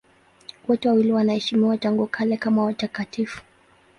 Wote wawili wanaheshimiwa tangu kale kama watakatifu.